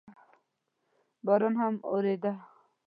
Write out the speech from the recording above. باران هم اورېده.